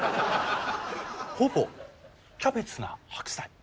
「ほぼキャベツな白菜」？